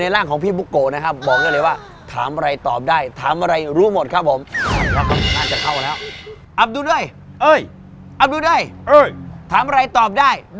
ไหนว่ารู้หมดไงครับ